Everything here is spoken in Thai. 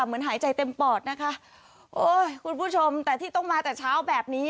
เหมือนหายใจเต็มปอดนะคะโอ้ยคุณผู้ชมแต่ที่ต้องมาแต่เช้าแบบนี้